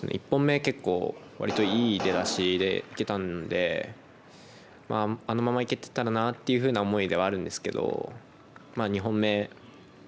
１本目結構いい出だしでいけたのであのままいけてたらなというふうな思いではあるんですけど２本目。